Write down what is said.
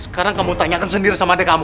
sekarang kamu tanyakan sendiri sama adik kamu